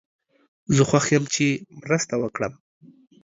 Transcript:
زه خوښ یم چې مرسته وکړم.